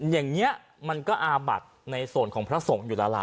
อย่างนี้มันก็อาบัดในส่วนของพระสงฆ์อยู่แล้วล่ะ